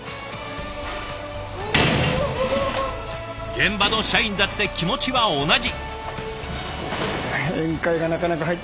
現場の社員だって気持ちは同じ。